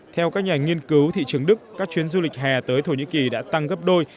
theo các nhà nghiên cứu thị trường đức các chuyến du lịch hè tới thổ nhĩ kỳ đã tăng gấp đôi